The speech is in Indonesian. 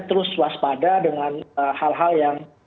terus waspada dengan hal hal yang